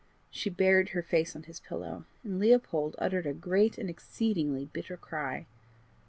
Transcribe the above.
She buried her face on his pillow, and Leopold uttered "a great and exceeding bitter cry."